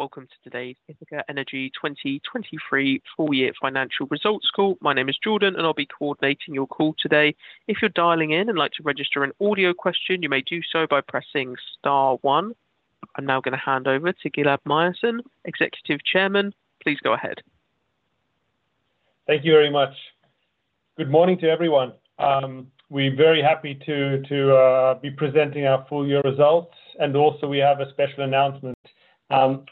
Welcome to today's Ithaca Energy 2023 full year financial results call. My name is Jordan, and I'll be coordinating your call today. If you're dialing in and like to register an audio question, you may do so by pressing star one. I'm now gonna hand over to Gilad Myerson, Executive Chairman. Please go ahead. Thank you very much. Good morning to everyone. We're very happy to be presenting our full year results, and also we have a special announcement.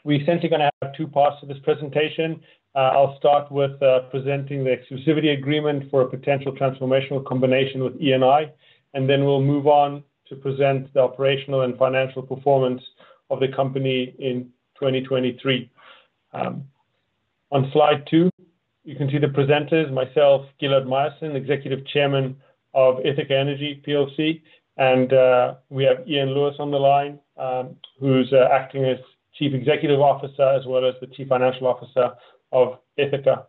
We're essentially gonna have two parts to this presentation. I'll start with presenting the Exclusivity Agreement for a Potential Transformational Combination with Eni, and then we'll move on to present the operational and financial performance of the company in 2023. On slide two, you can see the presenters, myself, Gilad Myerson, Executive Chairman of Ithaca Energy PLC, and we have Iain Lewis on the line, who's acting as Chief Executive Officer, as well as the Chief Financial Officer of Ithaca.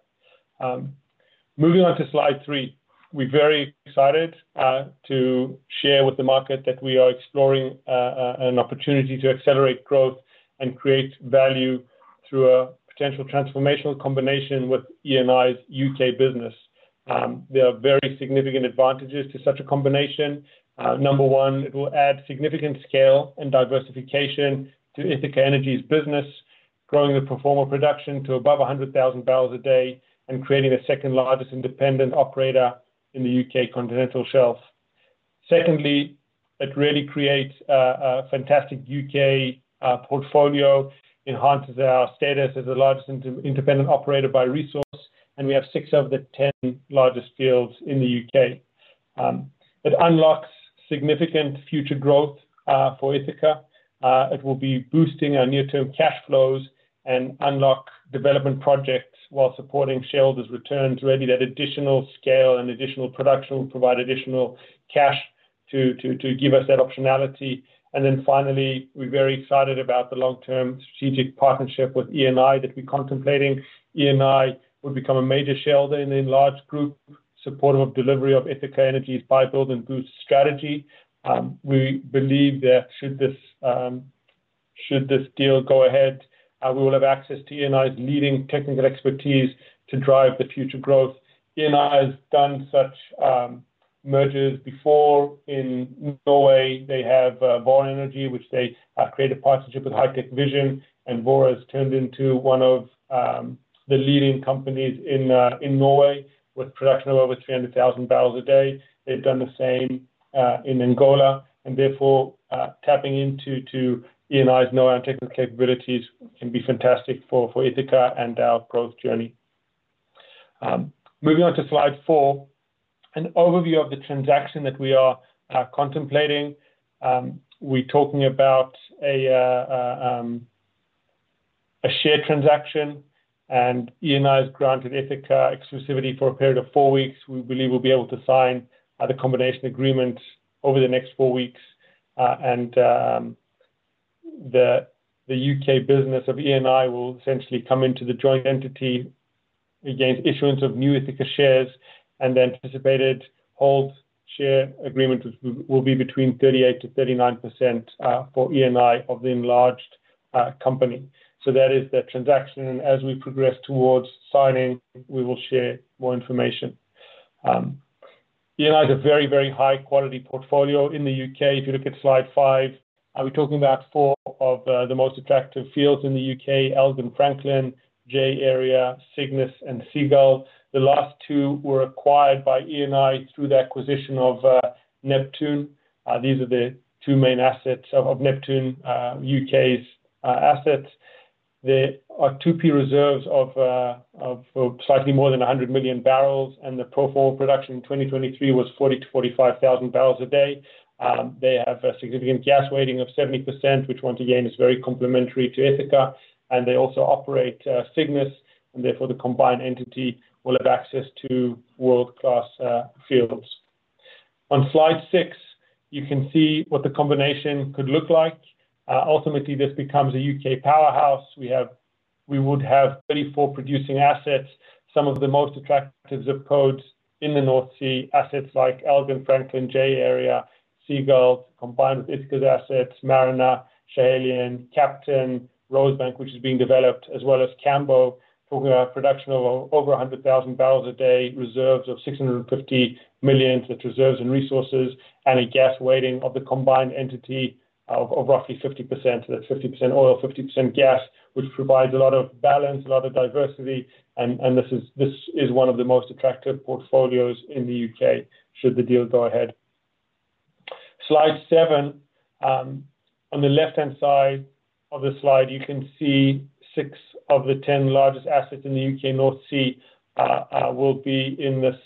Moving on to slide three, we're very excited to share with the market that we are exploring an opportunity to accelerate growth and create value through a Potential Transformational Combination with Eni's U.K. business. There are very significant advantages to such a combination. Number one, it will add significant scale and diversification to Ithaca Energy's business, growing the pro forma production to above 100,000 barrels a day and creating the second largest independent operator in the U.K. Continental Shelf. Secondly, it really creates a fantastic U.K. portfolio, enhances our status as the largest independent operator by resource, and we have six of the 10 largest fields in the U.K. It unlocks significant future growth for Ithaca. It will be boosting our near-term cash flows and unlock development projects while supporting shareholders' returns. Really, that additional scale and additional production will provide additional cash to give us that optionality. And then finally, we're very excited about the long-term strategic partnership with Eni that we're contemplating. Eni will become a major shareholder in the enlarged group, supportive of delivery of Ithaca Energy's Buy, Build and Boost strategy. We believe that should this deal go ahead, we will have access to Eni's leading technical expertise to drive the future growth. Eni has done such mergers before. In Norway, they have Vår Energi, which they created a partnership with HitecVision, and Vår Energi has turned into one of the leading companies in Norway, with production of over 300,000 barrels a day. They've done the same in Angola, and therefore, tapping into Eni's know-how and technical capabilities can be fantastic for Ithaca and our growth journey. Moving on to slide four, an overview of the transaction that we are contemplating. We're talking about a share transaction, and Eni has granted Ithaca exclusivity for a period of four weeks. We believe we'll be able to sign the combination agreement over the next four weeks, and the U.K. business of Eni will essentially come into the joint entity against issuance of new Ithaca shares, and the anticipated shareholding will be between 38%-39% for Eni of the enlarged company. So that is the transaction, and as we progress towards signing, we will share more information. Eni has a very, very high-quality portfolio in the U.K. If you look at slide five, are we talking about four of the most attractive fields in the U.K., Elgin-Franklin, J-Area, Cygnus, and Seagull. The last two were acquired by Eni through the acquisition of Neptune. These are the two main assets of Neptune U.K.'s assets. There are two key reserves of slightly more than 100 million barrels, and the pro forma production in 2023 was 40,000-45,000 barrels a day. They have a significant gas weighting of 70%, which once again, is very complementary to Ithaca, and they also operate Cygnus, and therefore, the combined entity will have access to world-class fields. On slide six, you can see what the combination could look like. Ultimately, this becomes a U.K. powerhouse. We would have 34 producing assets, some of the most attractive zip codes in the North Sea, assets like Elgin-Franklin, J-Area, Seagull, combined with Ithaca's assets, Mariner, Schiehallion, Captain, Rosebank, which is being developed, as well as Cambo, for production of over 100,000 barrels a day, reserves of 650 million reserves and resources, and a gas weighting of the combined entity of roughly 50%. That's 50% oil, 50% gas, which provides a lot of balance, a lot of diversity, and this is one of the most attractive portfolios in the U.K. should the deal go ahead. Slide seven, on the left-hand side of the slide, you can see six of the 10 largest assets in the U.K. North Sea will be in this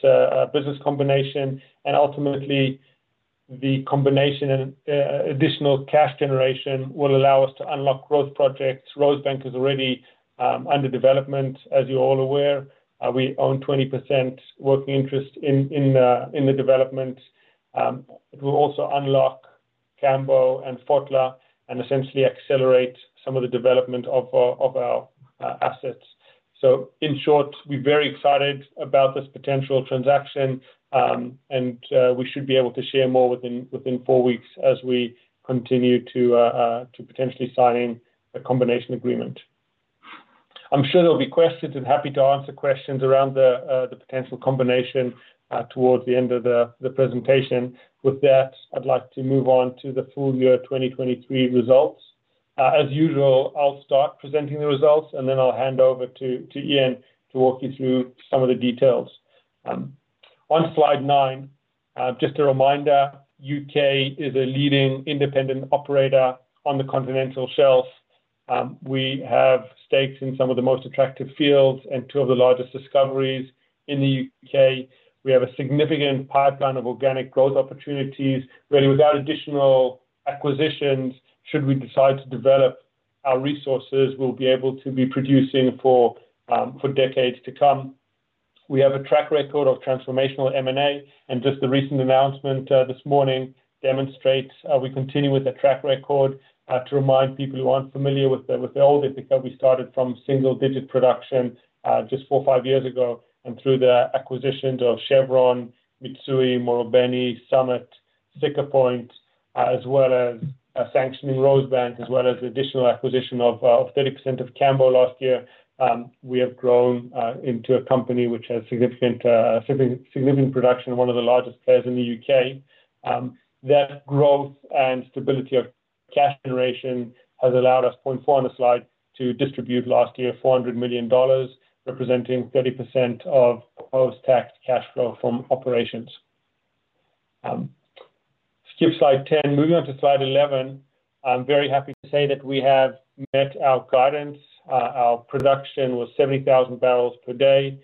business combination, and ultimately, the combination and additional cash generation will allow us to unlock growth projects. Rosebank is already under development. As you're all aware, we own 20% working interest in the development. It will also unlock Cambo and Fotla and essentially accelerate some of the development of our assets. So in short, we're very excited about this potential transaction, and we should be able to share more within four weeks as we continue to potentially sign a combination agreement. I'm sure there'll be questions, and happy to answer questions around the potential combination, towards the end of the presentation. With that, I'd like to move on to the full year 2023 results. As usual, I'll start presenting the results, and then I'll hand over to Iain to walk you through some of the details. On slide nine, just a reminder, U.K. is a leading independent operator on the continental shelf. We have stakes in some of the most attractive fields and two of the largest discoveries in the U.K. We have a significant pipeline of organic growth opportunities, really, without additional acquisitions, should we decide to develop our resources, we'll be able to be producing for decades to come. We have a track record of transformational M&A, and just the recent announcement this morning demonstrates we continue with the track record. To remind people who aren't familiar with the older, because we started from single-digit production just four or five years ago, and through the acquisitions of Chevron, Mitsui, Marubeni, Summit, Siccar Point, as well as a sanctioning Rosebank, as well as the additional acquisition of 30% of Cambo last year, we have grown into a company which has significant significant production, one of the largest players in the U.K. That growth and stability of cash generation has allowed us, point four on the slide, to distribute last year, $400 million, representing 30% of post-tax cash flow from operations. Skip slide 10. Moving on to slide 11, I'm very happy to say that we have met our guidance. Our production was 70,000 barrels per day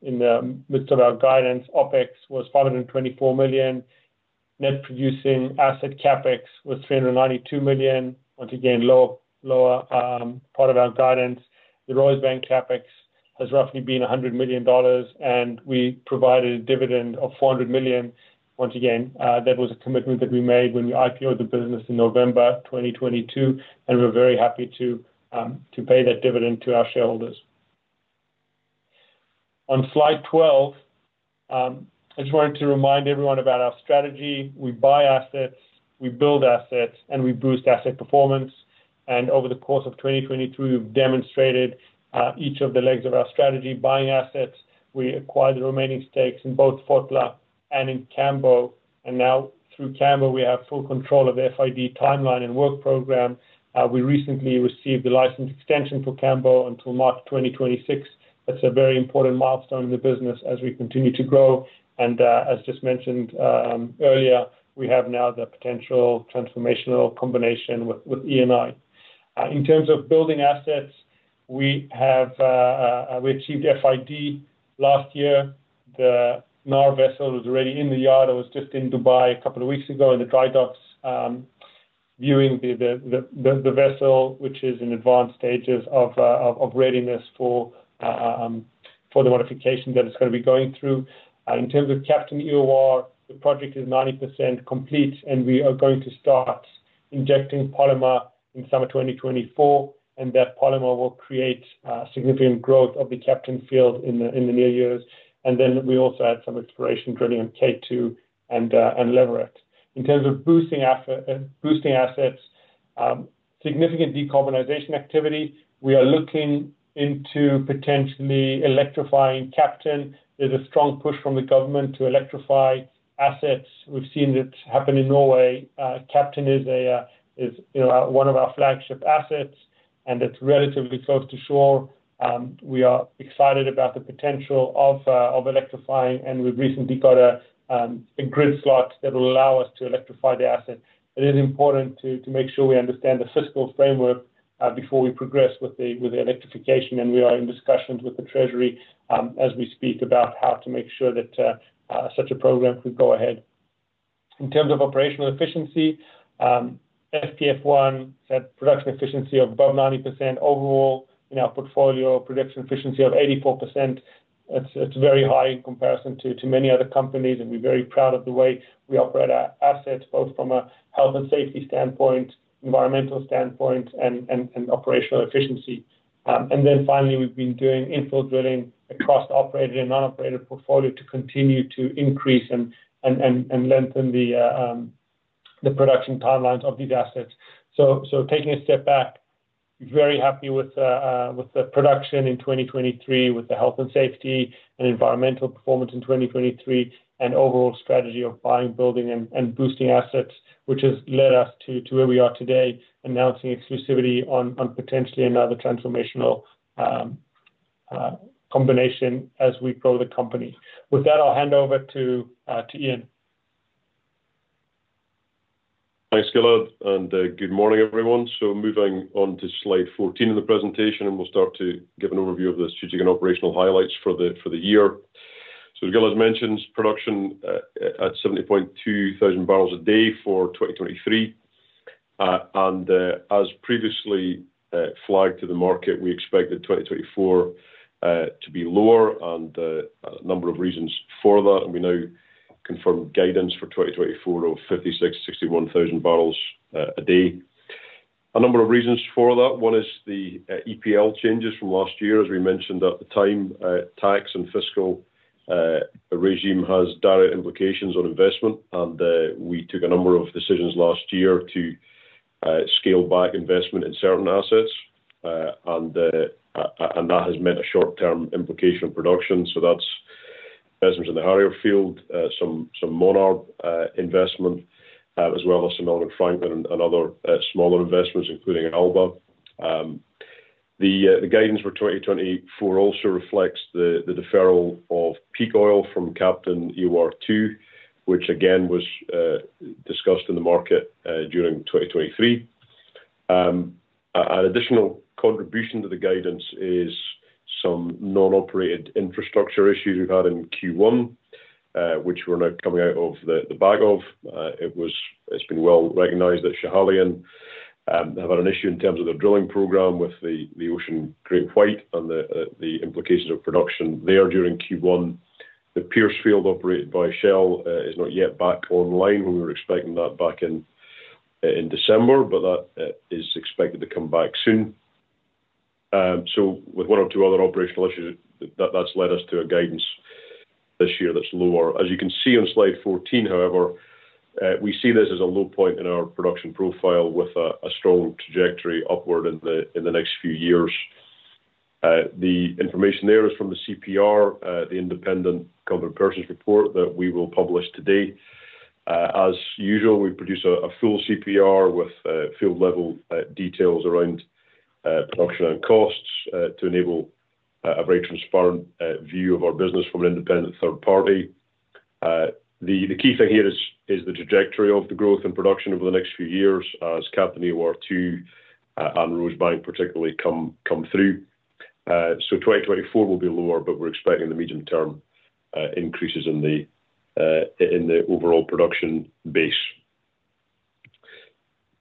in the midst of our guidance. OpEx was $524 million. Net producing asset CapEx was $392 million. Once again, lower part of our guidance. The Rosebank CapEx has roughly been $100 million, and we provided a dividend of $400 million. Once again, that was a commitment that we made when we IPO'd the business in November 2022, and we're very happy to pay that dividend to our shareholders. On slide 12, I just wanted to remind everyone about our strategy. We buy assets, we build assets, and we boost asset performance. Over the course of 2023, we've demonstrated each of the legs of our strategy. Buying assets, we acquired the remaining stakes in both Fotla and in Cambo, and now through Cambo, we have full control of the FID timeline and work program. We recently received the license extension for Cambo until March 2026. That's a very important milestone in the business as we continue to grow, and, as just mentioned, earlier, we have now the Potential Transformational Combination with, with Eni. In terms of building assets, we have, we achieved FID last year. The Knarr vessel was already in the yard. I was just in Dubai a couple of weeks ago in the dry docks, viewing the vessel, which is in advanced stages of readiness for the modification that it's gonna be going through. In terms of Captain EOR, the project is 90% complete, and we are going to start injecting polymer in summer 2024, and that polymer will create significant growth of the Captain field in the near years. Then we also had some exploration drilling on K2 in Leverett. In terms of boosting assets, significant decarbonization activity, we are looking into potentially electrifying Captain. There's a strong push from the government to electrify assets. We've seen it happen in Norway. Captain is one of our flagship assets, and it's relatively close to shore. We are excited about the potential of electrifying, and we've recently got a grid slot that will allow us to electrify the asset. It is important to make sure we understand the fiscal framework before we progress with the electrification, and we are in discussions with the treasury, as we speak, about how to make sure that such a program could go ahead. In terms of operational efficiency, FPF-1 had production efficiency of above 90% overall. In our portfolio, production efficiency of 84%, it's very high in comparison to many other companies, and we're very proud of the way we operate our assets, both from a health and safety standpoint, environmental standpoint, and operational efficiency. And then finally, we've been doing infill drilling across the operated and non-operated portfolio to continue to increase and lengthen the production timelines of these assets. So taking a step back, very happy with the production in 2023, with the health and safety and environmental performance in 2023, and overall strategy of buying, building, and boosting assets, which has led us to where we are today, announcing exclusivity on potentially another transformational combination as we grow the company. With that, I'll hand over to Iain. Thanks, Gilad, and good morning, everyone. So moving on to slide 14 of the presentation, and we'll start to give an overview of the strategic and operational highlights for the year. So Gilad's mentioned production at 70,200 barrels a day for 2023. And as previously flagged to the market, we expected 2024 to be lower, and a number of reasons for that, and we now confirm guidance for 2024 of 56,000-61,000 barrels a day. A number of reasons for that. One is the EPL changes from last year. As we mentioned at the time, tax and fiscal regime has direct implications on investment, and we took a number of decisions last year to scale back investment in certain assets. And that has meant a short-term implication on production, so that's investments in the Harrier field, some Monarch investment, as well as some on Franklin and other smaller investments, including Alba. The guidance for 2024 also reflects the deferral of peak oil from Captain EOR II, which again was discussed in the market during 2023. An additional contribution to the guidance is some non-operated infrastructure issues we've had in Q1, which we're now coming out of the bag of. It's been well recognized that Schiehallion have had an issue in terms of their drilling program with the Ocean GreatWhite and the implications of production there during Q1. The Pierce field operated by Shell is not yet back online. We were expecting that back in, in December, but that, is expected to come back soon. So with one or two other operational issues, that's led us to a guidance this year that's lower. As you can see on slide 14, however, we see this as a low point in our production profile, with a, a strong trajectory upward in the, in the next few years. The information there is from the CPR, the independent Competent Person's Report that we will publish today. As usual, we produce a, a full CPR with, field-level, details around, production and costs, to enable, a very transparent, view of our business from an independent third party. The key thing here is the trajectory of the growth and production over the next few years as Captain EOR II and Rosebank particularly come through. So 2024 will be lower, but we're expecting the medium-term increases in the overall production base.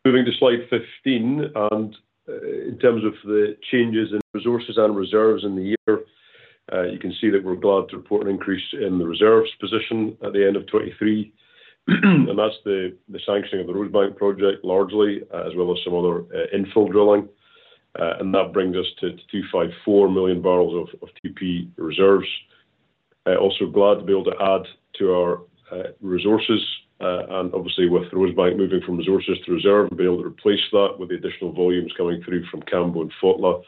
Moving to slide 15, and in terms of the changes in resources and reserves in the year, you can see that we're glad to report an increase in the reserves position at the end of 2023. And that's the sanctioning of the Rosebank project, largely, as well as some other infill drilling, and that brings us to 254 million barrels of 2P reserves. Also glad to be able to add to our resources, and obviously, with Rosebank moving from resources to reserve, and be able to replace that with the additional volumes coming through from Cambo and Fotla.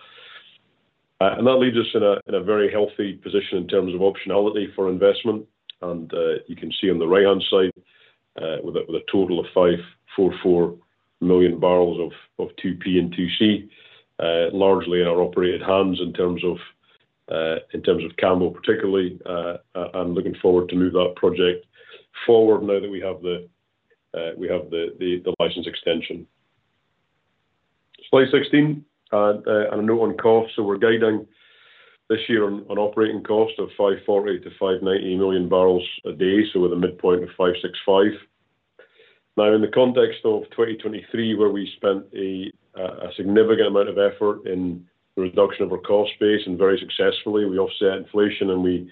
And that leaves us in a very healthy position in terms of optionality for investment, and you can see on the right-hand side, with a total of 544 million barrels of 2P and 2C, largely in our operated hands in terms of Cambo particularly, and looking forward to move that project forward now that we have the license extension. Slide 16 and a note on costs. So we're guiding this year on operating cost of $540 million-$590 million barrels a day, so with a midpoint of $565 million. Now, in the context of 2023, where we spent a significant amount of effort in the reduction of our cost base, and very successfully, we offset inflation, and we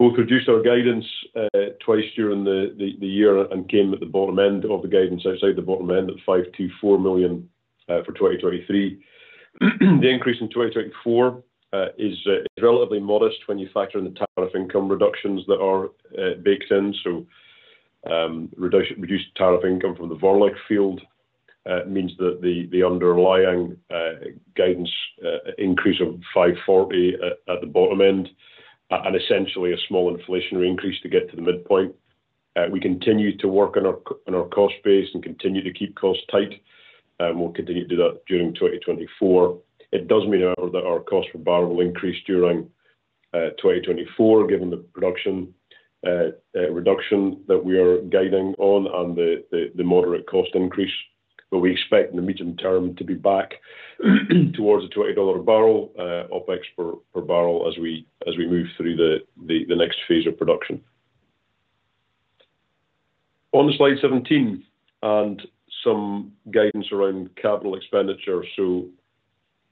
both reduced our guidance twice during the year and came at the bottom end of the guidance, outside the bottom end at $524 million for 2023. The increase in 2024 is relatively modest when you factor in the tariff income reductions that are baked in. So, reduced tariff income from the Vorlich field means that the underlying guidance increase of $540 at the bottom end, and essentially a small inflationary increase to get to the midpoint. We continue to work on our cost base and continue to keep costs tight, and we'll continue to do that during 2024. It does mean, however, that our cost per barrel will increase during 2024, given the production reduction that we are guiding on and the moderate cost increase. But we expect in the medium term to be back towards the $20 a barrel OpEx per barrel, as we move through the next phase of production. On slide 17, and some guidance around capital expenditure. So,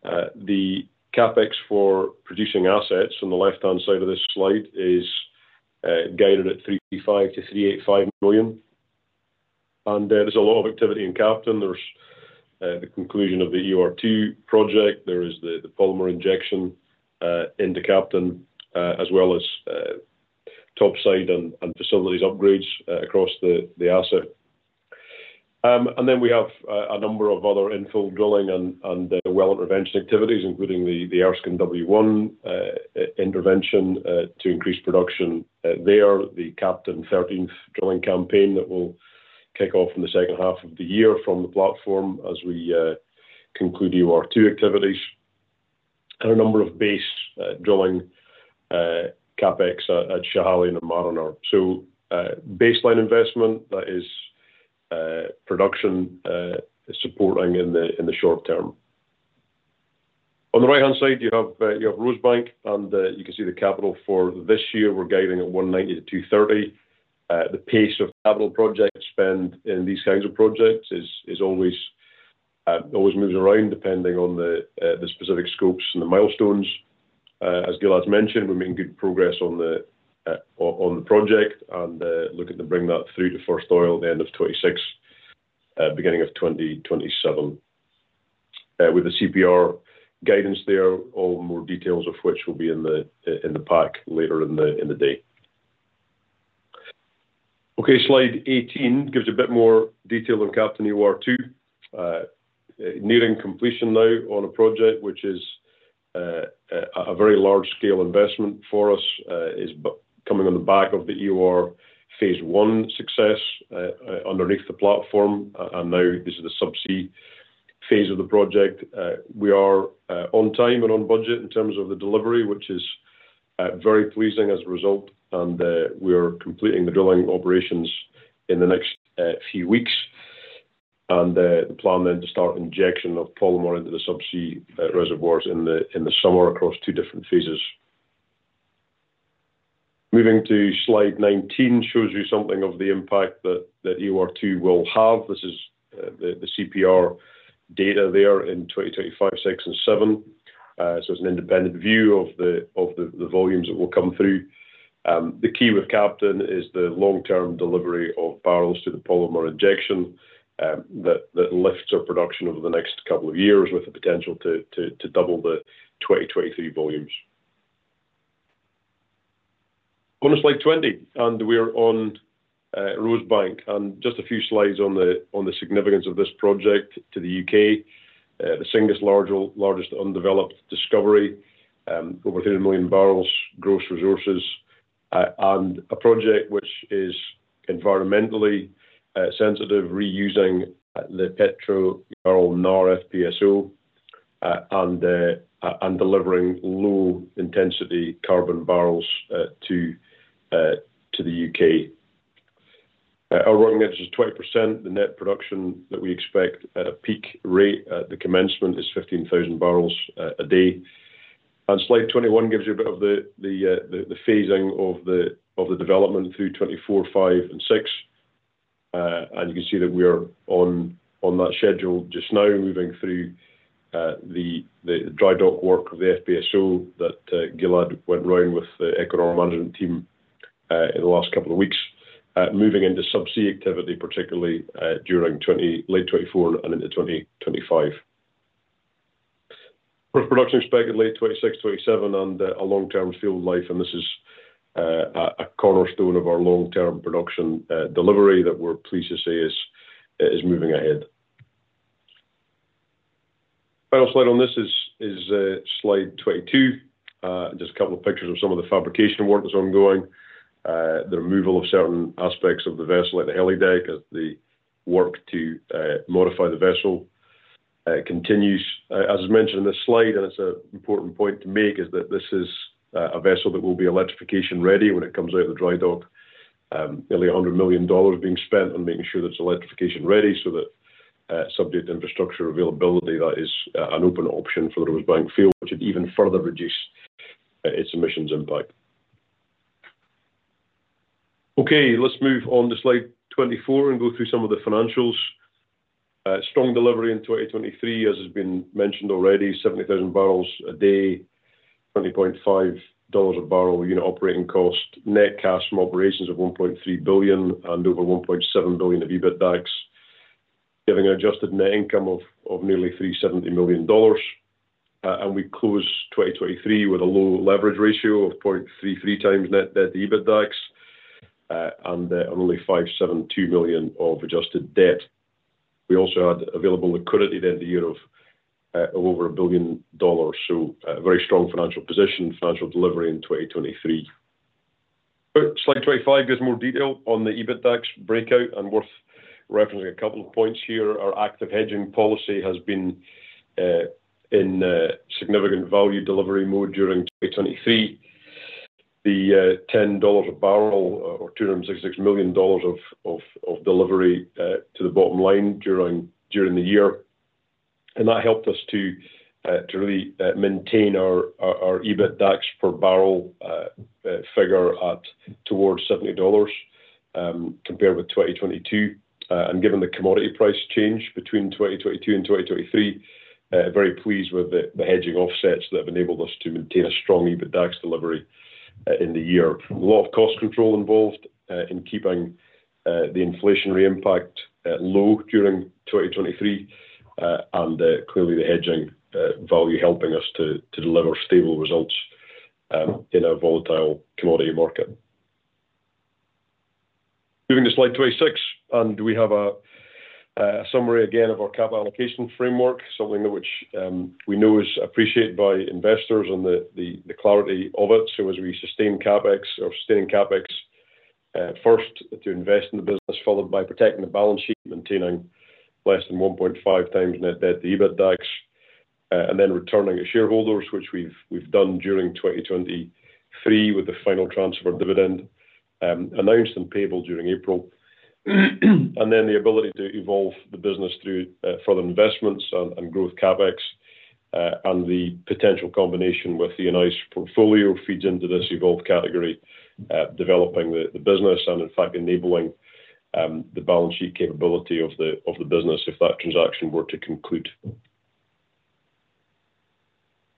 the CapEx for producing assets on the left-hand side of this slide is guided at $335 million-$385 million, and there's a lot of activity in Captain. There's the conclusion of the EOR II project. There is the polymer injection into Captain as well as topside and facilities upgrades across the asset. And then we have a number of other infill drilling and well intervention activities, including the ERSKINE W1 intervention to increase production there, the Captain 13th drilling campaign that will kick off in the second half of the year from the platform as we conclude EOR II activities, and a number of base drilling CapEx at Schiehallion and Mariner. So, baseline investment, that is, production, supporting in the, in the short term. On the right-hand side, you have, you have Rosebank, and, you can see the capital for this year we're guiding at $190 million-$230 million. The pace of capital project spend in these kinds of projects is always. It always moves around depending on the, the specific scopes and the milestones. As Gilad mentioned, we're making good progress on the, on the project and, looking to bring that through to first oil at the end of 2026, beginning of 2027. With the CPR guidance there, all more details of which will be in the, in the pack later in the, in the day. Okay, slide 18 gives you a bit more detail on Captain EOR II. Nearing completion now on a project, which is a very large scale investment for us, is becoming on the back of the EOR phase I success, underneath the platform. Now this is a subsea phase of the project. We are on time and on budget in terms of the delivery, which is very pleasing as a result, and we are completing the drilling operations in the next few weeks. The plan then to start injection of polymer into the subsea reservoirs in the summer across two different phases. Moving to slide 19, shows you something of the impact that EOR II will have. This is the CPR data there in 2025, 2026 and 2027. So it's an independent view of the volumes that will come through. The key with Captain is the long-term delivery of barrels to the polymer injection that lifts our production over the next couple of years, with the potential to double the 2023 volumes. On to slide 20, and we are on Rosebank, and just a few slides on the significance of this project to the U.K. The single largest undeveloped discovery, over 3 million barrels gross resources, and a project which is environmentally sensitive, reusing the Petrojarl Knarr FPSO, and delivering low-intensity carbon barrels to the U.K. Our working interest is 20%. The net production that we expect at a peak rate at the commencement is 15,000 barrels a day. Slide 21 gives you a bit of the phasing of the development through 2024, 2025 and 2026. And you can see that we are on that schedule just now, moving through the dry dock work of the FPSO, that Gilad went round with the executive management team in the last couple of weeks. Moving into subsea activity, particularly during late 2024 and into 2025. First production expected late 2026, 2027, and a long-term field life, and this is a cornerstone of our long-term production delivery that we're pleased to say is moving ahead. Final slide on this is slide 22. Just a couple of pictures of some of the fabrication work that's ongoing, the removal of certain aspects of the vessel at the heli deck as the work to modify the vessel continues. As mentioned in this slide, and it's an important point to make, is that this is a vessel that will be electrification ready when it comes out of the dry dock. Nearly $100 million is being spent on making sure that it's electrification ready, so that, subject infrastructure availability, that is an open option for the Rosebank field, which would even further reduce its emissions impact. Okay, let's move on to slide 24 and go through some of the financials. Strong delivery in 2023, as has been mentioned already, 70,000 barrels a day, $20.5 a barrel unit operating cost, net cash from operations of $1.3 billion, and over $1.7 billion of EBITDAX, giving an adjusted net income of nearly $370 million. And we closed 2023 with a low leverage ratio of 0.33x net debt to EBITDAX, and only $572 million of adjusted debt. We also had available liquidity at the end of the year of over $1 billion. So a very strong financial position, financial delivery in 2023. Slide 25 gives more detail on the EBITDAX breakout, and worth referencing a couple of points here. Our active hedging policy has been in significant value delivery mode during 2023. The $10 a barrel, or $266 million of delivery to the bottom line during the year. And that helped us to really maintain our EBITDAX per barrel figure at towards $70, compared with 2022. And given the commodity price change between 2022 and 2023, very pleased with the hedging offsets that have enabled us to maintain a strong EBITDAX delivery in the year. A lot of cost control involved in keeping the inflationary impact low during 2023, and clearly the hedging value helping us to deliver stable results in a volatile commodity market. Moving to slide 26, and we have a summary again of our capital allocation framework, something which we know is appreciated by investors and the clarity of it. So as we sustain CapEx or sustaining CapEx, first to invest in the business, followed by protecting the balance sheet, maintaining less than 1.5x net debt to EBITDAX, and then returning to shareholders, which we've done during 2023, with the final transfer of dividend announced and payable during April. And then the ability to evolve the business through further investments and growth CapEx, and the potential combination with the Eni portfolio feeds into this evolved category, developing the business and in fact enabling the balance sheet capability of the business if that transaction were to conclude.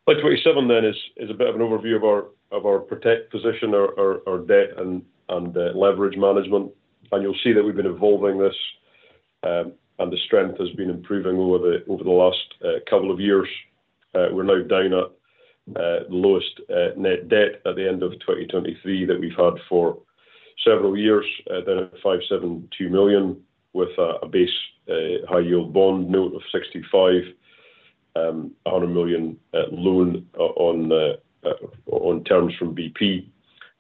Slide 27 then is a bit of an overview of our portfolio position, our debt and leverage management. And you'll see that we've been evolving this, and the strength has been improving over the last couple of years. We're now down at the lowest net debt at the end of 2023 that we've had for several years, down at $572 million, with a base high yield bond note of $650 million, $100 million loan on terms from BP,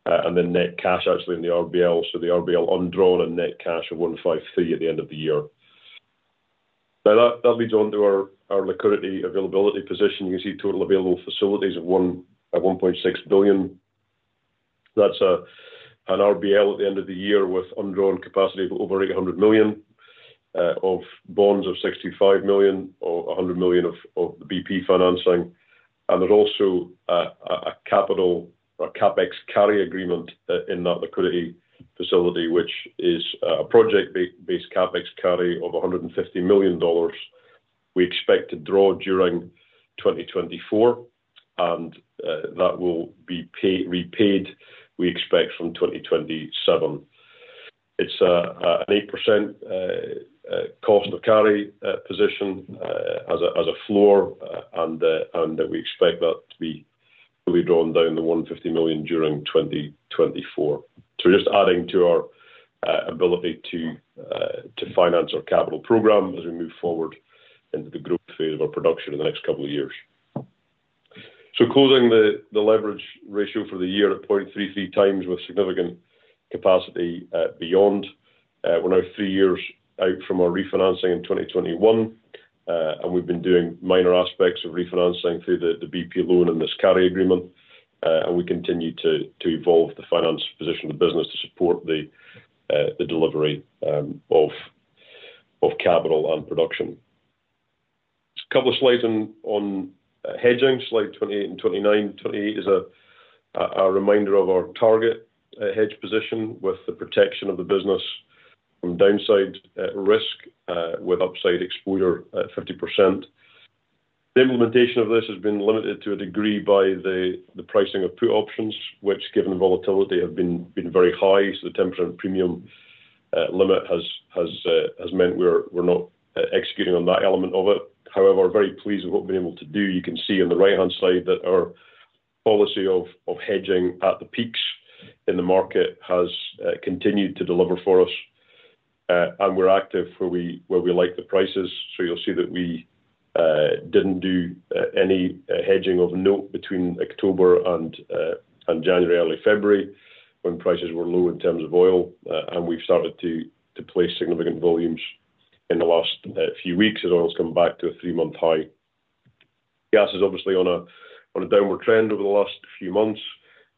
and then net cash actually in the RBL. So the RBL undrawn and net cash of $153 million at the end of the year. Now, that leads on to our liquidity availability position. You can see total available facilities of $1.6 billion. That's an RBL at the end of the year with undrawn capacity of over $800 million, of bonds of $65 million, or $100 million of the BP financing. And there's also a capital or CapEx carry agreement in that liquidity facility, which is a project-based CapEx carry of $150 million. We expect to draw during 2024, and that will be repaid, we expect from 2027. It's an 8% cost of carry position as a floor, and we expect that to be fully drawn down to $150 million during 2024. So we're just adding to our ability to finance our capital program as we move forward into the growth phase of our production in the next couple of years. So closing the leverage ratio for the year at 0.33x with significant capacity beyond. We're now 3 years out from our refinancing in 2021, and we've been doing minor aspects of refinancing through the BP loan and this carry agreement. And we continue to evolve the finance position of the business to support the delivery of capital and production. A couple of slides on hedging, slide 28 and 29. Twenty-eight is a reminder of our target hedge position with the protection of the business from downside risk with upside exposure at 50%. The implementation of this has been limited to a degree by the pricing of put options, which, given the volatility, have been very high. So the 10% premium limit has meant we're not executing on that element of it. However, we're very pleased with what we've been able to do. You can see on the right-hand side that our policy of hedging at the peaks in the market has continued to deliver for us, and we're active where we like the prices. So you'll see that we didn't do any hedging of note between October and January, early February, when prices were low in terms of oil. And we've started to place significant volumes in the last few weeks as oil's come back to a three-month high. Gas is obviously on a downward trend over the last few months.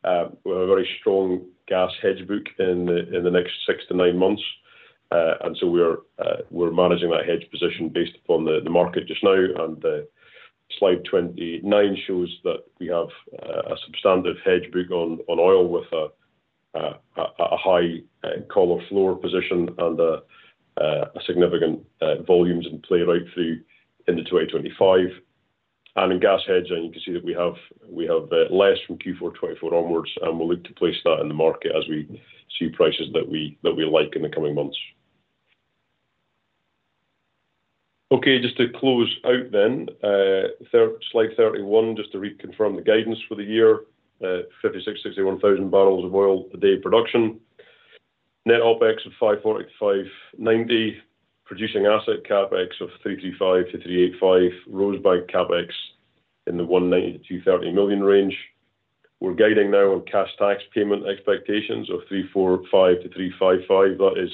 We're a very strong gas hedge book in the next 6-9 months. And so we're managing that hedge position based upon the market just now. And the slide 29 shows that we have a substantive hedge book on oil with a high collar floor position and a significant volumes in play right through into 2025. And in gas hedging, you can see that we have less from Q4 2024 onwards, and we'll look to place that in the market as we see prices that we like in the coming months. Okay, just to close out then, slide 31, just to reconfirm the guidance for the year. 56,000-61,000 barrels of oil per day production. Net OpEx of $540 million-$590 million, producing asset CapEx of $335 million-$385 million, Rosebank CapEx in the $190 million-$230 million range. We're guiding now on cash tax payment expectations of $345 million-$355 million. That is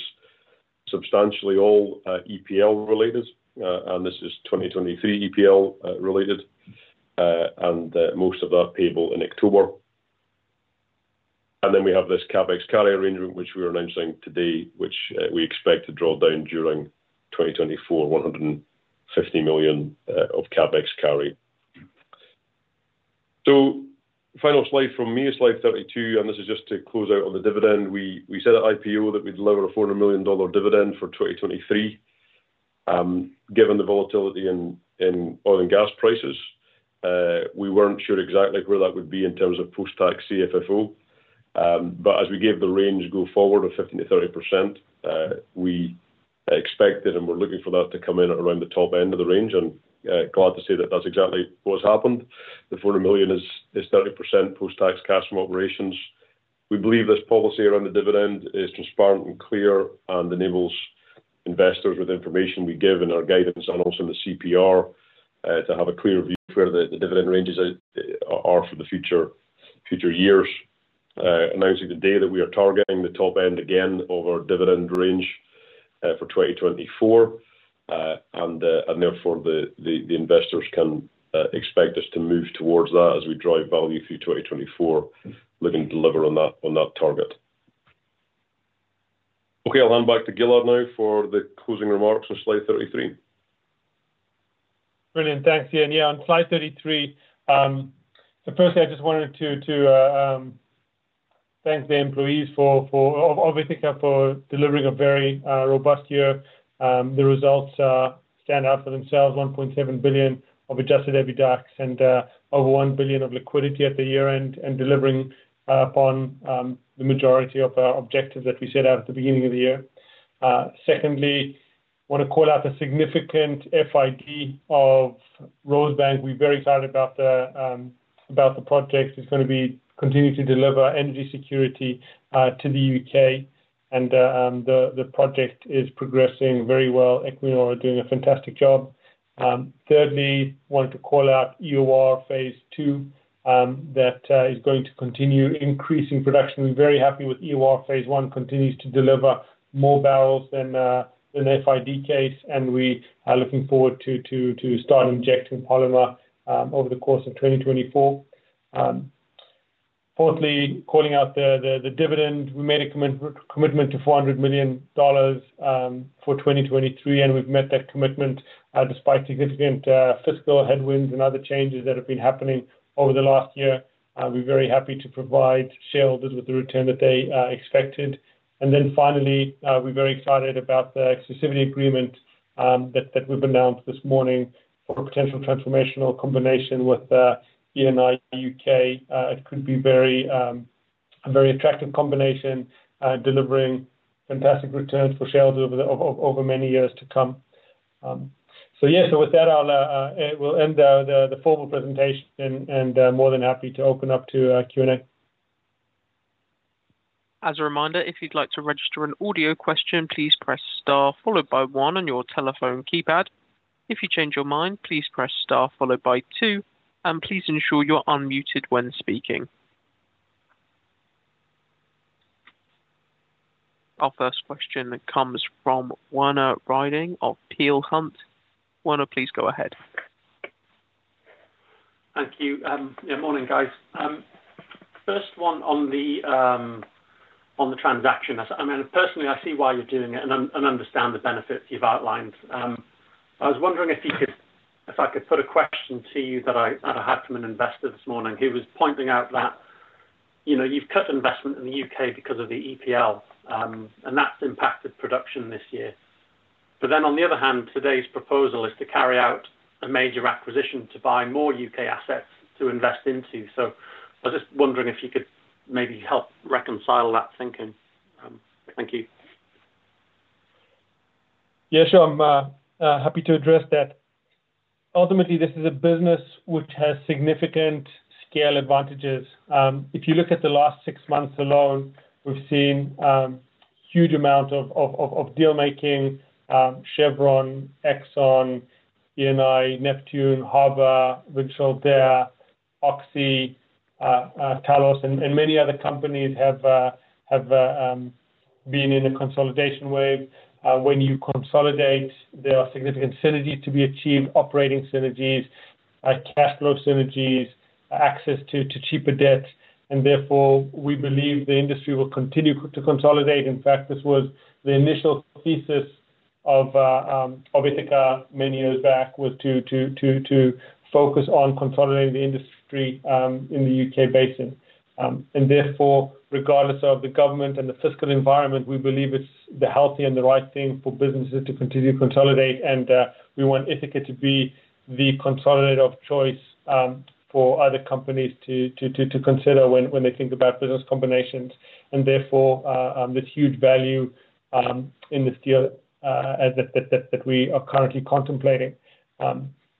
substantially all EPL related, and this is 2023 EPL related, and most of that payable in October. Then we have this CapEx carry arrangement, which we are announcing today, which we expect to draw down during 2024, $150 million of CapEx carry. So final slide from me is slide 32, and this is just to close out on the dividend. We said at IPO that we'd deliver a $400 million dividend for 2023. Given the volatility in oil and gas prices, we weren't sure exactly where that would be in terms of post-tax CFFO. But as we gave the range go forward of 15%-30%, we expected and we're looking for that to come in at around the top end of the range, and glad to say that that's exactly what's happened. The $400 million is 30% post-tax cash from operations. We believe this policy around the dividend is transparent and clear and enables investors with information we give in our guidance and also in the CPR to have a clear view of where the dividend ranges are for the future years. Announcing today that we are targeting the top end again of our dividend range for 2024, and therefore, the investors can expect us to move towards that as we drive value through 2024, looking to deliver on that target. Okay, I'll hand back to Gilad now for the closing remarks on slide 33. Brilliant. Thanks, Iain. Yeah, on slide 33, so firstly, I just wanted to thank the employees for obviously delivering a very robust year. The results stand out for themselves, $1.7 billion of adjusted EBITDA and over $1 billion of liquidity at the year-end, and delivering upon the majority of our objectives that we set out at the beginning of the year. Secondly, wanna call out the significant FID of Rosebank. We're very excited about the project. It's gonna be continuing to deliver energy security to the U.K., and the project is progressing very well. Equinor are doing a fantastic job. Thirdly, wanted to call out EOR phase II that is going to continue increasing production. We're very happy with EOR phase I, continues to deliver more barrels than than FID case, and we are looking forward to start injecting polymer over the course of 2024. Fourthly, calling out the dividend. We made a commitment to $400 million for 2023, and we've met that commitment despite significant fiscal headwinds and other changes that have been happening over the last year. We're very happy to provide shareholders with the return that they expected. And then finally, we're very excited about the exclusivity agreement that we've announced this morning for a Potential Transformational Combination with Eni U.K. It could be very a very attractive combination delivering fantastic returns for shareholders over many years to come. So yeah, with that, we'll end the formal presentation and more than happy to open up to Q&A. As a reminder, if you'd like to register an audio question, please press star followed by one on your telephone keypad. If you change your mind, please press star followed by two, and please ensure you're unmuted when speaking. Our first question comes from Werner Riding of Peel Hunt. Werner, please go ahead. Thank you. Good morning, guys. First one on the transaction. I mean, personally, I see why you're doing it and understand the benefits you've outlined. I was wondering if you could—if I could put a question to you that I had from an investor this morning. He was pointing out that, you know, you've cut investment in the U.K. because of the EPL, and that's impacted production this year. But then, on the other hand, today's proposal is to carry out a major acquisition to buy more U.K. assets to invest into. So I was just wondering if you could maybe help reconcile that thinking. Thank you. Yeah, sure. I'm happy to address that. Ultimately, this is a business which has significant scale advantages. If you look at the last six months alone, we've seen a huge amount of deal-making, Chevron, Exxon, Eni, Neptune, Harbour, Richfield there, Oxy, Talos, and many other companies have been in a consolidation wave. When you consolidate, there are significant synergies to be achieved, operating synergies, cash flow synergies, access to cheaper debt, and therefore, we believe the industry will continue to consolidate. In fact, this was the initial thesis of Ithaca many years back, was to focus on consolidating the industry, in the U.K. basin. And therefore, regardless of the government and the fiscal environment, we believe it's the healthy and the right thing for businesses to continue to consolidate, and we want Ithaca to be the consolidator of choice for other companies to consider when they think about business combinations, and therefore, there's huge value in this deal as we are currently contemplating.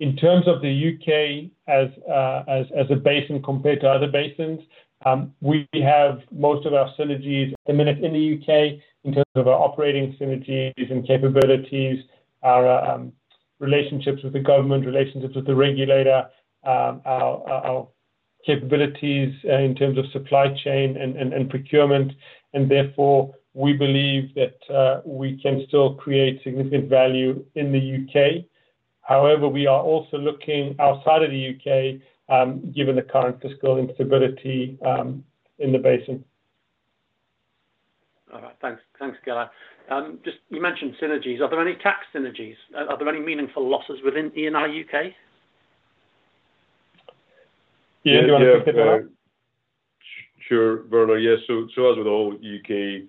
In terms of the U.K. as a basin compared to other basins, we have most of our synergies in the U.K. in terms of our operating synergies and capabilities, our relationships with the government, relationships with the regulator, our capabilities in terms of supply chain and procurement. Therefore, we believe that we can still create significant value in the U.K. However, we are also looking outside of the U.K., given the current fiscal instability, in the basin. All right. Thanks. Thanks, Gilad. Just you mentioned synergies. Are there any tax synergies? Are there any meaningful losses within Eni U.K.? Yeah, do you want to take that, Iain? Sure, Werner. Yes, so as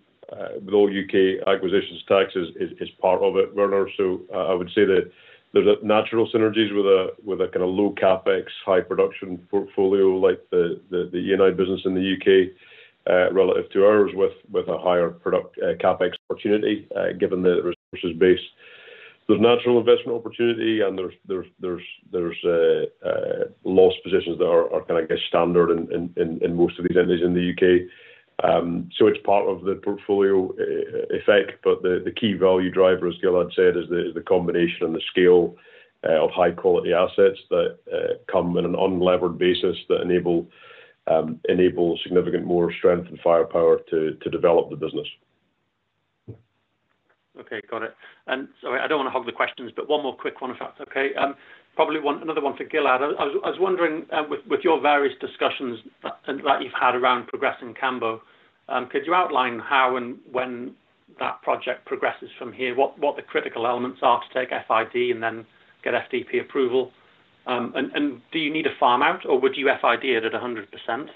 with all U.K. acquisitions, taxes is part of it, Werner. So I would say that there's a natural synergies with a kinda low CapEx, high production portfolio like the ENI business in the U.K., relative to ours, with a higher production CapEx opportunity, given the resources base. There's natural investment opportunity, and there's loss positions that are kinda, I guess, standard in most of these entities in the U.K. So it's part of the portfolio effect, but the key value driver, as Gilad said, is the combination and the scale of high-quality assets that come in an unlevered basis that enable significant more strength and firepower to develop the business. Okay, got it. And sorry, I don't want to hog the questions, but one more quick one, if that's okay. Probably another one for Gilad. I was wondering, with your various discussions that you've had around progressing Cambo, could you outline how and when that project progresses from here? What the critical elements are to take FID and then get FDP approval? And do you need a farm out, or would you FID it at 100%?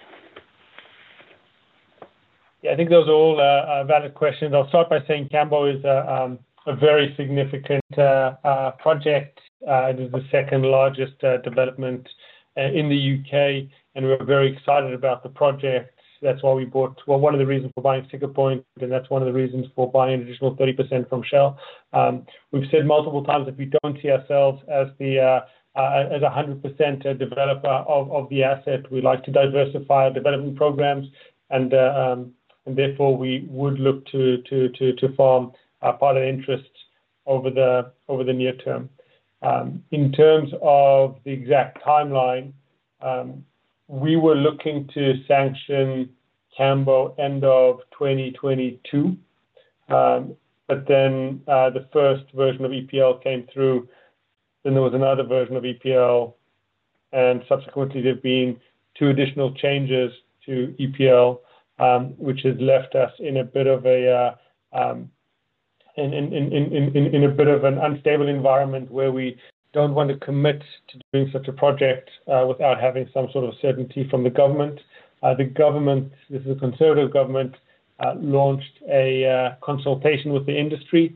Yeah, I think those are all valid questions. I'll start by saying Cambo is a very significant project. It is the second largest development in the U.K., and we're very excited about the project. That's why we bought. Well, one of the reasons for buying Siccar Point, and that's one of the reasons for buying an additional 30% from Shell. We've said multiple times that we don't see ourselves as a 100% developer of the asset. We like to diversify our development programs and therefore, we would look to form a part of interest over the near term. In terms of the exact timeline, we were looking to sanction Cambo end of 2022. But then, the first version of EPL came through, then there was another version of EPL, and subsequently, there have been two additional changes to EPL, which has left us in a bit of an unstable environment where we don't want to commit to doing such a project, without having some sort of certainty from the government. The government, this is a conservative government, launched a consultation with the industry,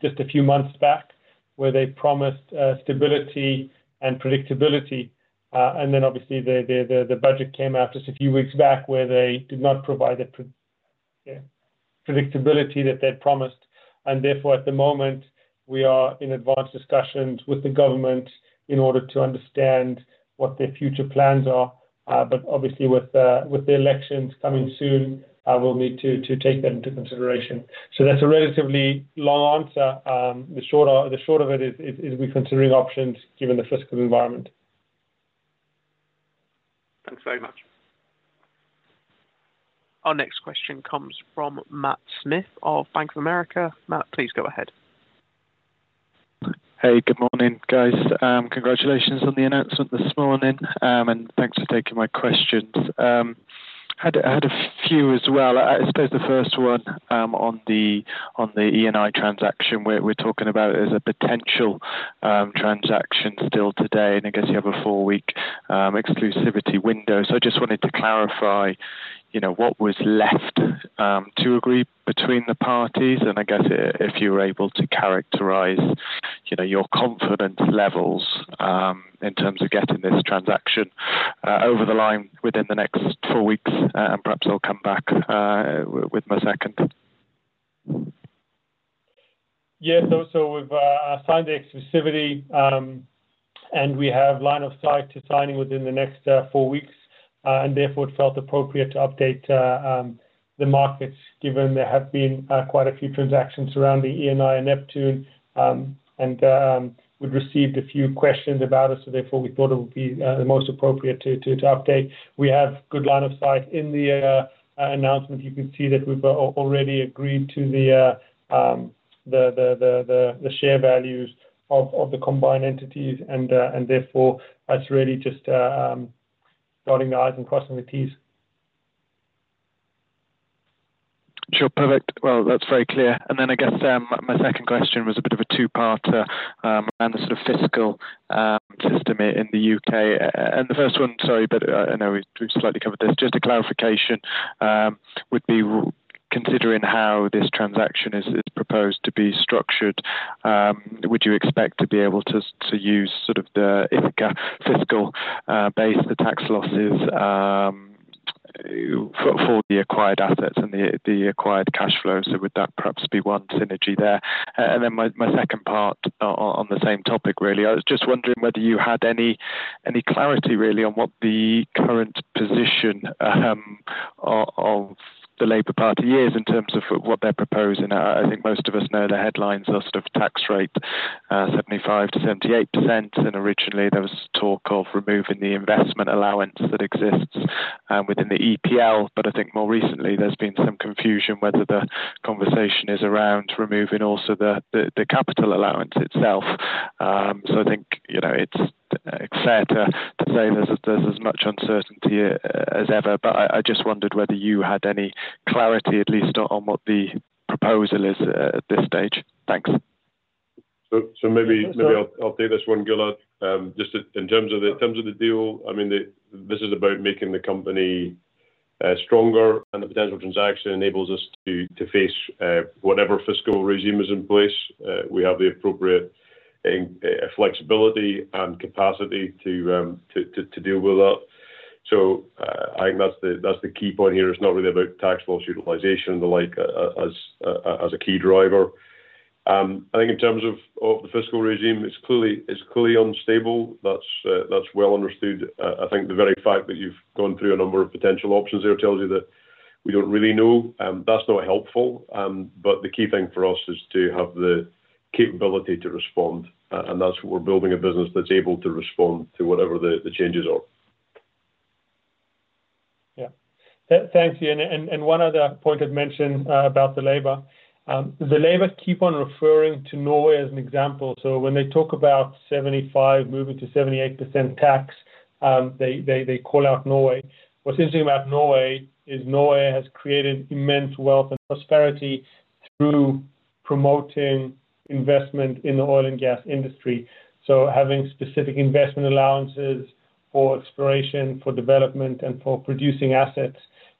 just a few months back, where they promised, stability and predictability. And then obviously, the budget came out just a few weeks back, where they did not provide the predictability that they'd promised. Therefore, at the moment, we are in advanced discussions with the government in order to understand what their future plans are. But obviously, with the elections coming soon, we'll need to take that into consideration. So that's a relatively long answer. The short of it is, we're considering options given the fiscal environment. Thanks very much. Our next question comes from Matt Smith of Bank of America. Matt, please go ahead. Hey, good morning, guys. Congratulations on the announcement this morning, and thanks for taking my questions. I had a few as well. I suppose the first one, on the Eni transaction, where we're talking about is a potential transaction still today, and I guess you have a four-week exclusivity window. So I just wanted to clarify, you know, what was left to agree between the parties, and I guess if you were able to characterize, you know, your confidence levels in terms of getting this transaction over the line within the next four weeks, and perhaps I'll come back with my second. Yes, so we've signed the exclusivity, and we have line of sight to signing within the next four weeks, and therefore, it felt appropriate to update the markets, given there have been quite a few transactions around the Eni and Neptune, and we've received a few questions about it, so therefore, we thought it would be the most appropriate to update. We have good line of sight. In the announcement, you can see that we've already agreed to the share values of the combined entities, and therefore, it's really just dotting the I's and crossing the Ts. Sure, perfect. Well, that's very clear. And then I guess, my second question was a bit of a two-parter, around the sort of fiscal system in the U.K. And the first one, sorry, but I know we've slightly covered this. Just a clarification, would be considering how this transaction is proposed to be structured, would you expect to be able to use sort of the fiscal base, the tax losses, for the acquired assets and the acquired cash flows? So would that perhaps be one synergy there? And then my second part, on the same topic, really. I was just wondering whether you had any clarity really on what the current position of the Labour Party is in terms of what they're proposing. I think most of us know the headlines are sort of tax rate, 75%-78%, and originally there was talk of removing the investment allowance that exists within the EPL. But I think more recently there's been some confusion whether the conversation is around removing also the capital allowance itself. So I think, you know, it's fair to say there's as much uncertainty as ever, but I just wondered whether you had any clarity, at least on what the proposal is at this stage. Thanks. So maybe I'll take this one, Gilad. Just in terms of the deal, I mean, this is about making the company stronger, and the potential transaction enables us to face whatever fiscal regime is in place. We have the appropriate flexibility and capacity to deal with that. So I think that's the key point here. It's not really about tax loss utilization, like as a key driver. I think in terms of the fiscal regime, it's clearly unstable. That's well understood. I think the very fact that you've gone through a number of potential options there tells you that we don't really know, and that's not helpful. But the key thing for us is to have the capability to respond, and that's what we're building a business that's able to respond to whatever the changes are. Yeah. Thanks, Iain. And one other point I'd mention about the Labour. The Labour keep on referring to Norway as an example. So when they talk about 75%-78% tax, they call out Norway. What's interesting about Norway is Norway has created immense wealth and prosperity through promoting investment in the oil and gas industry. So having specific investment allowances for exploration, for development, and for producing assets,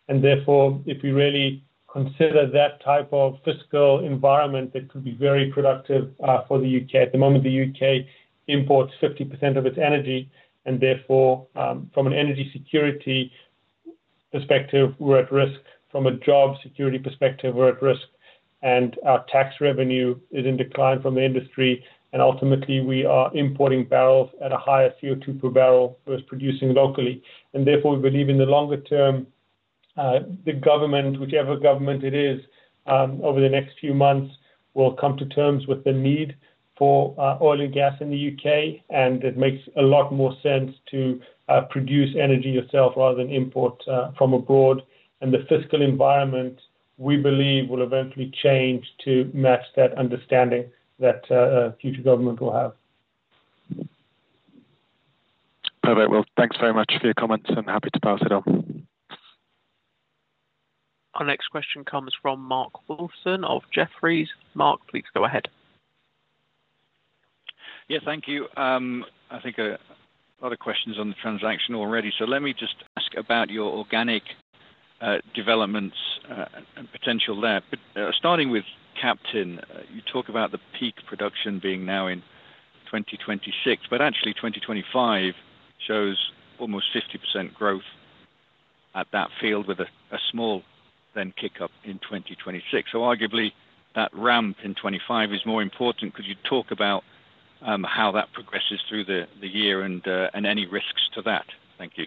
and therefore, if we really consider that type of fiscal environment, it could be very productive for the U.K. At the moment, the U.K. imports 50% of its energy, and therefore, from an energy security perspective, we're at risk. From a job security perspective, we're at risk, and our tax revenue is in decline from the industry, and ultimately, we are importing barrels at a higher CO2 per barrel versus producing locally. And therefore, we believe in the longer term, the government, whichever government it is, over the next few months, will come to terms with the need for oil and gas in the U.K., and it makes a lot more sense to produce energy yourself rather than import from abroad. And the fiscal environment, we believe, will eventually change to match that understanding that future government will have. Perfect. Well, thanks very much for your comments. I'm happy to pass it on. Our next question comes from Mark Wilson of Jefferies. Mark, please go ahead. Yeah, thank you. I think a lot of questions on the transaction already, so let me just ask about your organic developments and potential there. But starting with Captain, you talk about the peak production being now in 2026, but actually, 2025 shows almost 50% growth at that field with a small then kick up in 2026. So arguably, that ramp in 2025 is more important. Could you talk about how that progresses through the year and any risks to that? Thank you.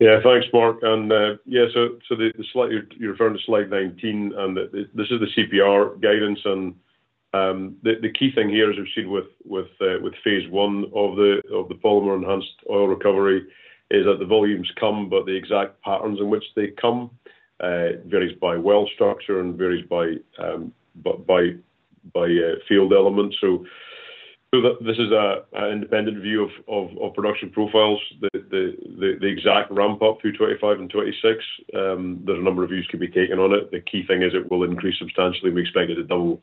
Yeah, thanks, Mark. And, yeah, so the slide—you're referring to slide 19, and this is the CPR guidance. And, the key thing here, as you've seen with phase 1 of the polymer enhanced oil recovery, is that the volumes come, but the exact patterns in which they come varies by well structure and varies by field elements. So this is an independent view of production profiles. The exact ramp up through 2025 and 2026, there are a number of views can be taken on it. The key thing is it will increase substantially. We expect it to double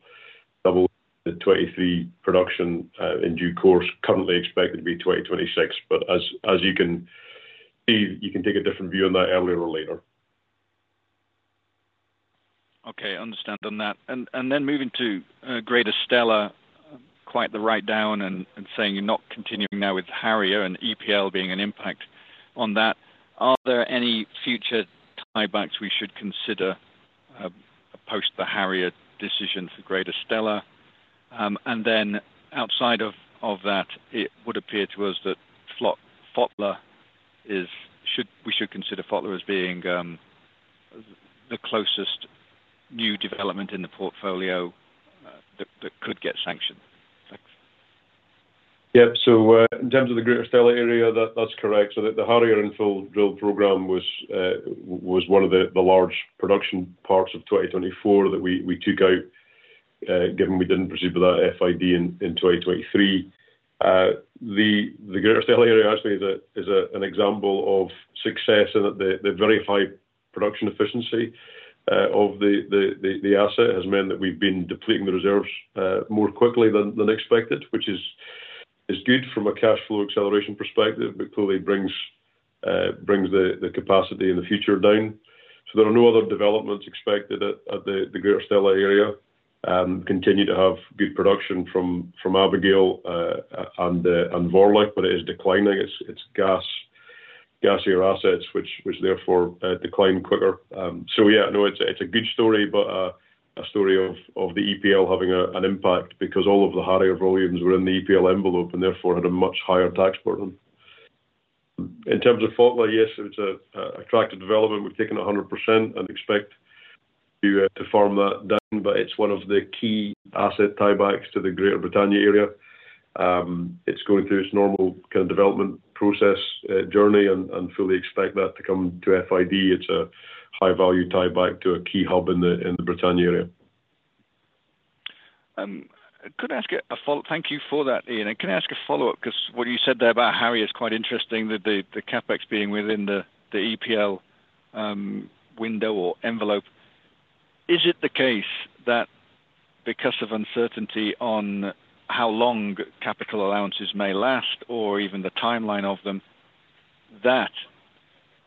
the 2023 production in due course, currently expected to be 2026. But as you can see, you can take a different view on that earlier or later. Okay, understand on that. And then moving to Greater Stella, quite the write-down and saying you're not continuing now with Harrier and EPL being an impact on that, are there any future tiebacks we should consider post the Harrier decision for Greater Stella? And then outside of that, it would appear to us that Fotla is—we should consider Fotla as being the closest new development in the portfolio that could get sanctioned. Thanks. Yeah. So, in terms of the Greater Stella Area, that's correct. So the Harrier infill drill program was one of the large production parts of 2024 that we took out, given we didn't proceed with that FID in 2023. The Greater Stella Area actually is an example of success in that the very high production efficiency of the asset has meant that we've been depleting the reserves more quickly than expected, which is good from a cash flow acceleration perspective, but clearly brings the capacity in the future down. So there are no other developments expected at the Greater Stella Area. Continue to have good production from Abigail and Vorlich, but it is declining. It's gas, gassier assets, which therefore decline quicker. So yeah, no, it's a good story, but a story of the EPL having an impact because all of the Harrier volumes were in the EPL envelope, and therefore, had a much higher tax burden. In terms of Fotla, yes, it's an attractive development. We've taken 100% and expect to farm that down, but it's one of the key asset tiebacks to the Greater Britannia area. It's going through its normal kind of development process, journey and fully expect that to come to FID. It's a high-value tieback to a key hub in the Britannia area. Thank you for that, Ian. Can I ask a follow-up? Because what you said there about Harrier is quite interesting, that the CapEx being within the EPL window or envelope. Is it the case that because of uncertainty on how long capital allowances may last, or even the timeline of them, that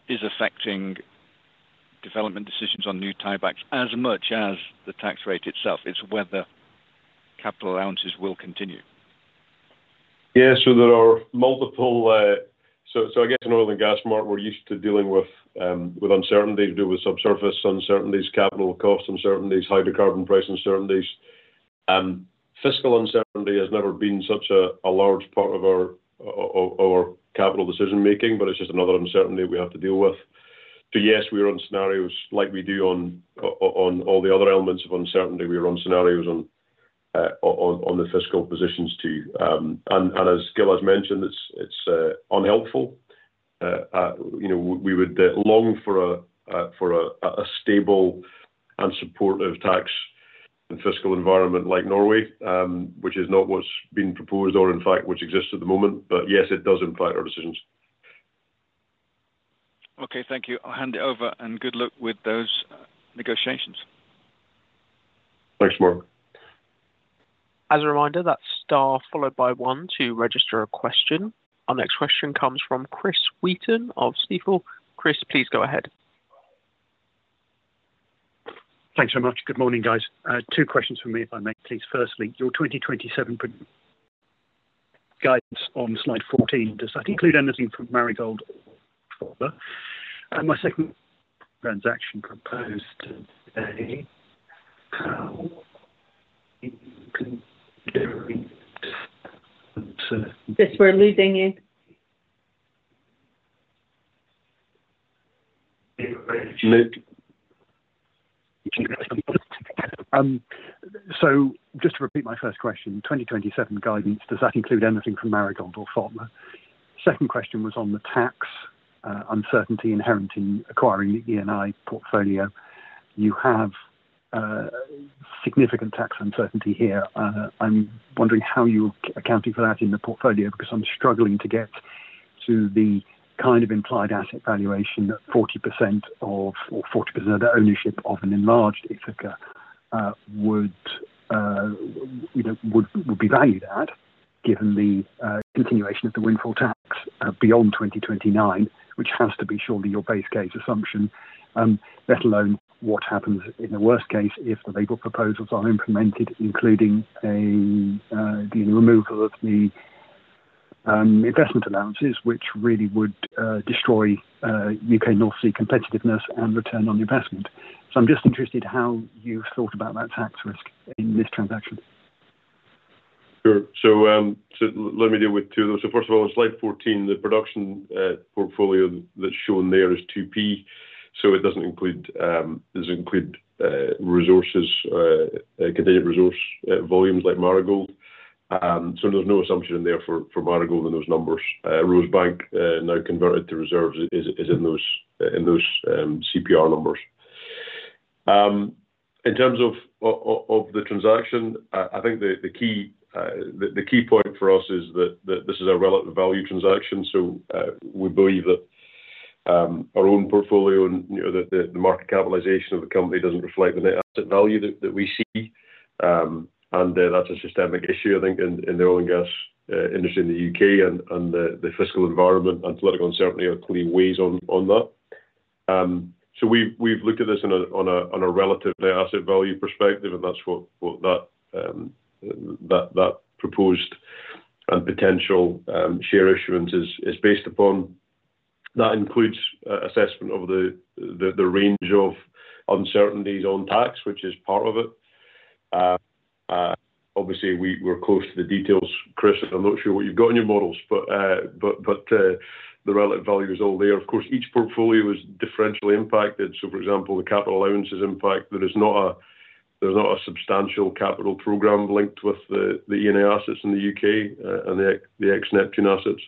is affecting development decisions on new tiebacks as much as the tax rate itself, it's whether capital allowances will continue? Yeah, so there are multiple. So, I guess in oil and gas, Mark, we're used to dealing with uncertainty to do with subsurface uncertainties, capital cost uncertainties, hydrocarbon price uncertainties. Fiscal uncertainty has never been such a large part of our capital decision making, but it's just another uncertainty we have to deal with. So yes, we run scenarios like we do on all the other elements of uncertainty. We run scenarios on the fiscal positions, too. And as Gil has mentioned, it's unhelpful. You know, we would long for a stable and supportive tax and fiscal environment like Norway, which is not what's been proposed or in fact, which exists at the moment. But yes, it does impact our decisions. Okay, thank you. I'll hand it over, and good luck with those negotiations. Thanks, Mark. As a reminder, that's star followed by one to register a question. Our next question comes from Chris Wheaton of Stifel. Chris, please go ahead. Thanks so much. Good morning, guys. Two questions from me, if I may please. Firstly, your 2027 guidance on slide 14, does that include anything from Marigold or Fotla? And my second transaction proposed today, Chris, we're losing you. So just to repeat my first question, 2027 guidance, does that include anything from Marigold or Fotla? Second question was on the tax uncertainty inherent in acquiring the Eni portfolio. You have significant tax uncertainty here. I'm wondering how you're accounting for that in the portfolio, because I'm struggling to get to the kind of implied asset valuation that 40% of or 40% of the ownership of an enlarged Ithaca would, you know, would be valued at, given the continuation of the windfall tax beyond 2029, which has to be surely your base case assumption. Let alone what happens in the worst case, if the legal proposals are implemented, including the removal of the investment allowances, which really would destroy U.K. North Sea competitiveness and return on the investment. So I'm just interested how you've thought about that tax risk in this transaction. Sure. So, let me deal with two of those. So first of all, on slide 14, the production portfolio that's shown there is 2P. So it doesn't include, it doesn't include, resources, contingent resource, volumes like Marigold. So there's no assumption in there for Marigold in those numbers. Rosebank, now converted to reserves is in those, in those, CPR numbers. In terms of the transaction, I think the, the key, the, the key point for us is that this is a relative value transaction. So, we believe that, our own portfolio and, you know, the, the market capitalization of the company doesn't reflect the net asset value that we see. That's a systemic issue, I think, in the oil and gas industry in the U.K. and the fiscal environment and political uncertainty are clearly weighs on that. So we've looked at this on a relative net asset value perspective, and that's what that proposed and potential share issuance is based upon. That includes assessment of the range of uncertainties on tax, which is part of it. Obviously, we're close to the details, Chris. I'm not sure what you've got in your models, but the relative value is all there. Of course, each portfolio is differentially impacted. So for example, the capital allowances impact, there's not a substantial capital program linked with the Eni assets in the U.K., and the ex-Neptune assets.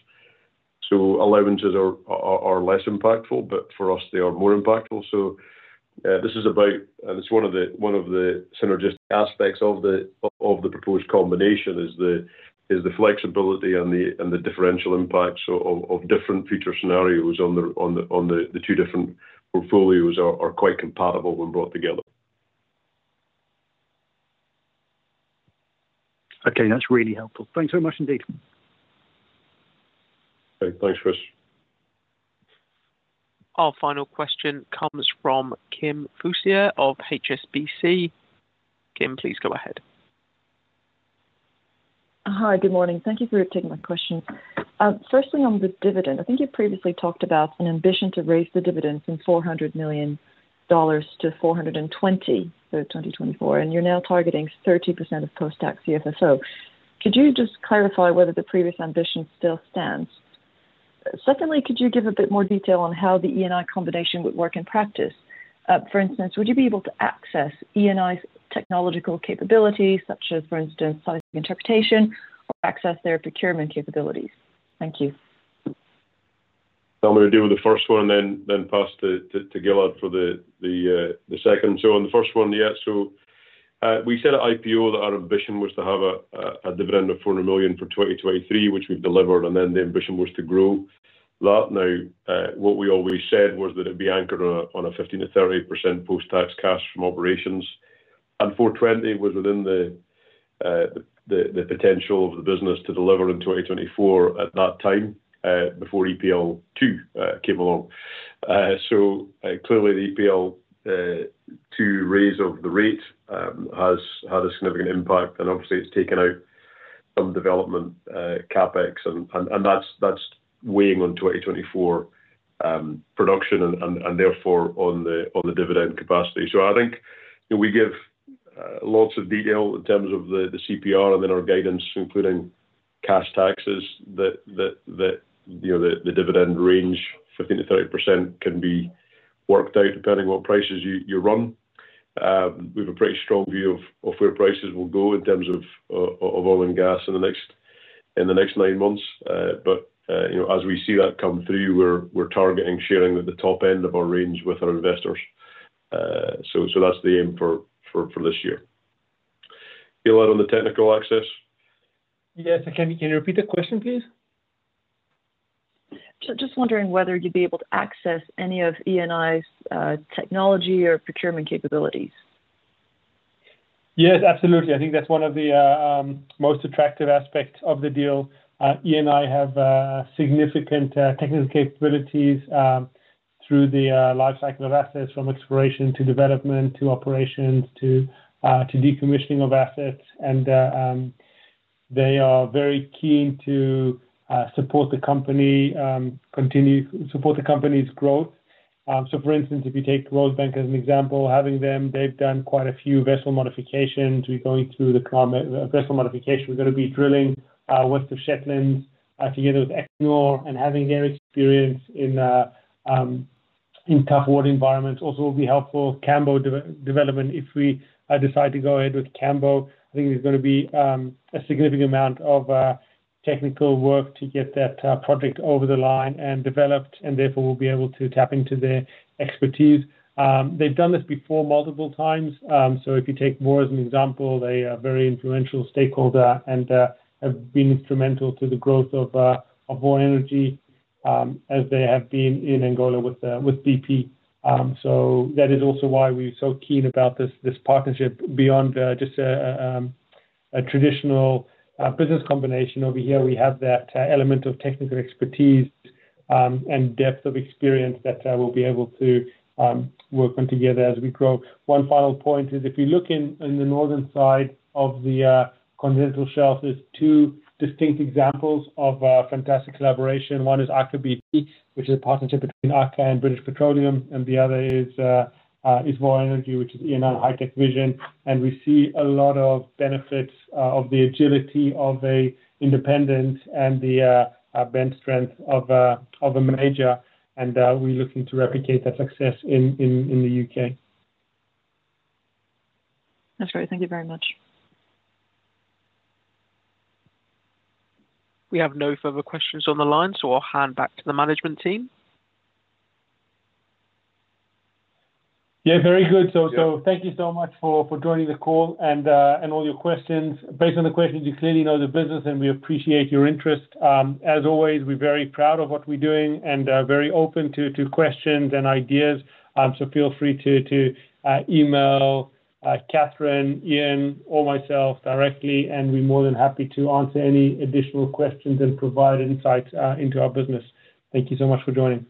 So allowances are less impactful, but for us, they are more impactful. So this is about, and it's one of the synergistic aspects of the proposed combination, is the flexibility and the differential impacts of different future scenarios on the two different portfolios are quite compatible when brought together. Okay, that's really helpful. Thanks so much indeed. Thanks, Chris. Our final question comes from Kim Fustier of HSBC. Kim, please go ahead. Hi, good morning. Thank you for taking my question. Firstly, on the dividend, I think you previously talked about an ambition to raise the dividend from $400 million-$420 million for 2024, and you're now targeting 30% of post-tax CFFO. Could you just clarify whether the previous ambition still stands? Secondly, could you give a bit more detail on how the Eni combination would work in practice? For instance, would you be able to access Eni's technological capabilities, such as, for instance, seismic interpretation, or access their procurement capabilities? Thank you. I'm gonna deal with the first one, and then pass to Gilad for the second. So on the first one, yeah, so we said at IPO that our ambition was to have a dividend of $400 million for 2023, which we've delivered, and then the ambition was to grow that. Now, what we always said was that it'd be anchored on a 15%-38% post-tax cash from operations. And $420 million was within the potential of the business to deliver in 2024 at that time, before EPL two came along. So, clearly, the EPL, two raise of the rate, has had a significant impact, and obviously it's taken out some development CapEx, and that's weighing on 2024 production and therefore on the dividend capacity. So I think, you know, we give lots of detail in terms of the CPR and then our guidance, including cash taxes, that, you know, the dividend range, 15%-30%, can be worked out, depending what prices you run. We have a pretty strong view of where prices will go in terms of oil and gas in the next nine months. But, you know, as we see that come through, we're targeting sharing with the top end of our range with our investors. So that's the aim for this year. Gilad, on the technical access? Yes, can you repeat the question, please? Just wondering whether you'd be able to access any of Eni's technology or procurement capabilities? Yes, absolutely. I think that's one of the most attractive aspects of the deal. Eni have significant technical capabilities through the lifecycle of assets, from exploration to development, to operations to decommissioning of assets. And they are very keen to support the company, support the company's growth. So for instance, if you take Rosebank as an example, having them, they've done quite a few vessel modifications. We're going through the vessel modification. We're gonna be drilling West of Shetland together with Equinor, and having their experience in tough water environments also will be helpful. Cambo development, if we decide to go ahead with Cambo, I think there's gonna be a significant amount of technical work to get that project over the line and developed, and therefore, we'll be able to tap into their expertise. They've done this before multiple times. So if you take Vår as an example, they are a very influential stakeholder and have been instrumental to the growth of Vår Energi, as they have been in Angola with BP. So that is also why we're so keen about this partnership. Beyond just a traditional business combination, over here, we have that element of technical expertise and depth of experience that we'll be able to work on together as we grow. One final point is, if you look in the northern side of the continental shelf, there's two distinct examples of fantastic collaboration. One is Aker BP, which is a partnership between Aker and British Petroleum, and the other is Vår Energi, which is Eni HitecVision, and we see a lot of benefits of the agility of a independent and the bench strength of a major, and we're looking to replicate that success in the U.K. That's great. Thank you very much. We have no further questions on the line, so I'll hand back to the management team. Yeah, very good. So, thank you so much for joining the call and all your questions. Based on the questions, you clearly know the business, and we appreciate your interest. As always, we're very proud of what we're doing and very open to questions and ideas. So, feel free to email Kathryn, Iain, or myself directly, and we're more than happy to answer any additional questions and provide insights into our business. Thank you so much for joining.